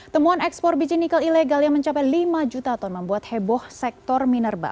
temuan ekspor biji nikel ilegal yang mencapai lima juta ton membuat heboh sektor minerba